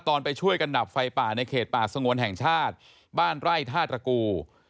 ไปช่วยกันดับไฟป่าในเขตป่าสงวนแห่งชาติบ้านไร่ท่าตระกู